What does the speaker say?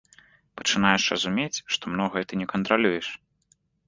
Пачынаеш разумець, што многае ты не кантралюеш.